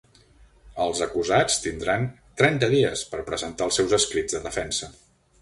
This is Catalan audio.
Els acusats tindran trenta dies per presentar els seus escrits de defensa.